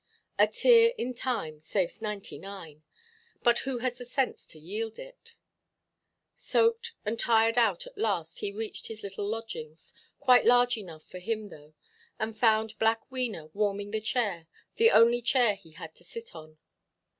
A tear in time saves ninety–nine; but who has the sense to yield it? Soaked and tired out at last, he reached his little lodgings—quite large enough for him, though—and found Black Wena warming the chair, the only chair he had to sit on.